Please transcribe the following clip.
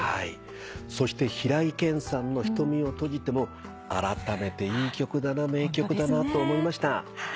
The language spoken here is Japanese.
そして平井堅さんの『瞳をとじて』もあらためていい曲だな名曲だなと思いました。